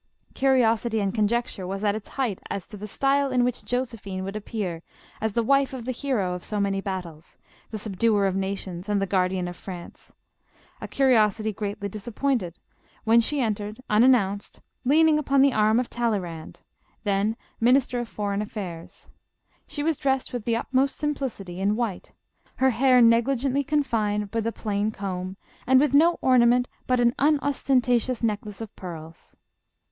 Curiosity and conjecture was at its height as to the style in which Josephine would appear as the wife of the hero of so many battles, the subduer of nations, and the guardian of France — a cu riosity greatly disappointed, when she entered unan nounced, leaning upon the arm of Talleyrand, then min ister of Foreign Affairs ; she was drest with the utmost simplicity in white, her hair negligently confined by a JOSEPHINE. 247 plain comb, and with no ornament but an unostenta tious necklace of pearls.